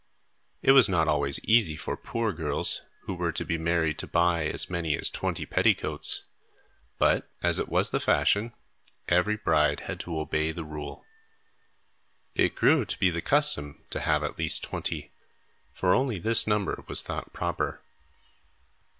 It was not always easy for poor girls, who were to be married, to buy as many as twenty petticoats. But, as it was the fashion, every bride had to obey the rule. It grew to be the custom to have at least twenty; for only this number was thought proper.